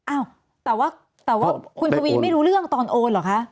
อ้าวแต่ว่าแต่ว่าคุณทวีไม่รู้เรื่องตอนโอนเหรอคะ